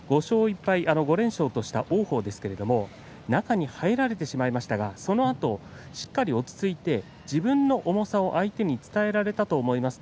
５連勝とした王鵬ですが中に入られてしまいましたがそのあとしっかり落ち着いて自分の重さを相手に伝えられたと思います